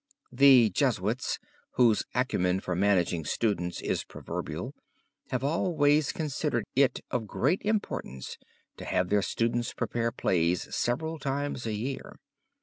The Jesuits, whose acumen for managing students is proverbial, have always considered it of great importance to have their students prepare plays several times a year.